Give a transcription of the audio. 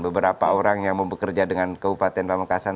beberapa orang yang bekerja dengan kabupaten pemekasan